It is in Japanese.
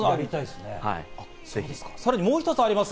さらにもう一つある。